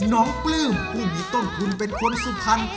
ปลื้มผู้มีต้นทุนเป็นคนสุพรรณ